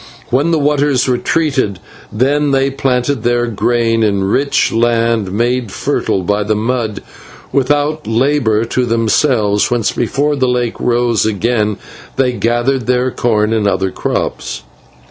When the waters retreated, then they planted their grain in rich land made fertile by the mud, without labour to themselves, whence, before the lake rose again, they gathered their corn and other crops.